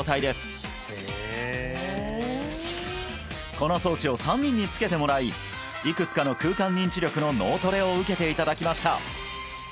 この装置を３人につけてもらいいくつかの空間認知力の脳トレを受けていただきました